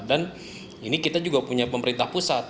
dan ini kita juga punya pemerintah pusat